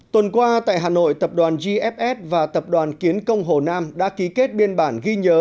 tuần qua tại hà nội tập đoàn gfs và tập đoàn kiến công hồ nam đã ký kết biên bản ghi nhớ